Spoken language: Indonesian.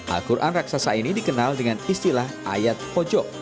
al quran raksasa ini dikenal dengan istilah ayat pojok